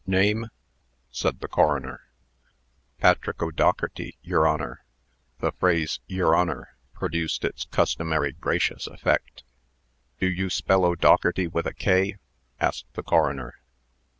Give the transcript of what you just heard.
"Name?" said the coroner. "Patrick O'Dougherty, yer Honor." The phrase "Yer Honor" produced its customary gracious effect. "Do you spell O'Dougherty with a 'k,'?" asked the coroner.